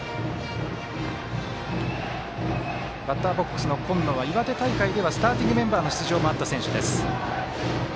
バッターボックスの今野は岩手大会ではスターティングメンバーの出場もあった選手です。